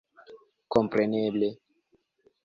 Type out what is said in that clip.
Kompreneble